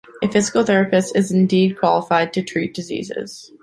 A physical therapist is indeed qualified to treat diseases.